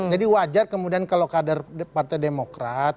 jadi wajar kemudian kalau kader partai demokrat